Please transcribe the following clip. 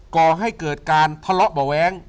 ก่อให้เกิดการทะเลาะเบาะแว้ง